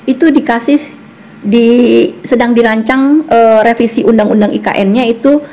itu sedang dirancang revisi undang undang ikn nya itu